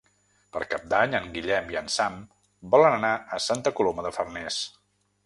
Per Cap d'Any en Guillem i en Sam volen anar a Santa Coloma de Farners.